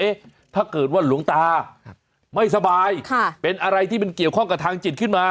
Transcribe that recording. ถ้าเกิดว่าหลวงตาไม่สบายเป็นอะไรที่มันเกี่ยวข้องกับทางจิตขึ้นมา